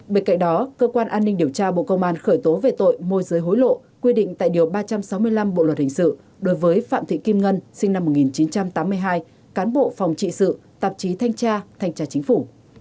bên cạnh đó cơ quan an ninh điều tra bộ công an khởi tố về tội môi giới hối lộ quy định tại điều ba trăm sáu mươi năm bộ luật hình sự đối với phạm thị kim ngân sinh năm một nghìn chín trăm tám mươi hai cán bộ phòng trị sự tạp chí thanh tra thanh tra chính phủ